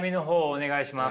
お願いします。